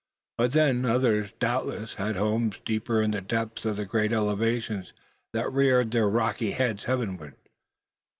But then, others doubtless had homes deeper in the depths of the great elevations that reared their rocky heads heavenward.